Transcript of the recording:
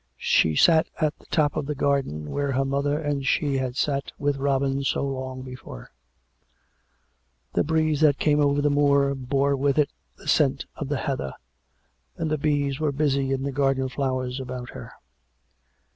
She sat at the top of the garden, where her mother and she had sat with Robin so long before; the breeze that came over the moor bore with it the scent of the heather; and the bees were busy in the garden flowers about her.